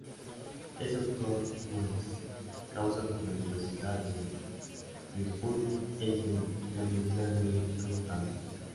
Es doctor honoris causa por la Universidad de Duisburg-Essen, y la Universidad de Constanza.